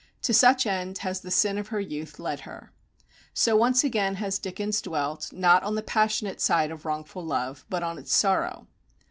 To such end has the sin of her youth led her. So once again has Dickens dwelt, not on the passionate side of wrongful love, but on its sorrow.